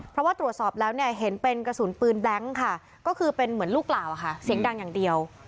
เพราะว่าตรวจสอบแล้วเนี่ยเห็นเป็นกระสุนปืนแบงค์ค่ะก็คือเป็นเหมือนลูกเปล่าค่ะเสียงดังอย่างเดียว